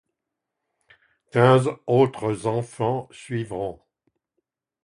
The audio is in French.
Quinze autres enfants suivront.